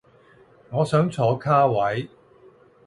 我想坐卡位